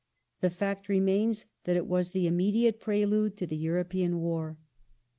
The fact remains that it was the immediate prelude to the European War.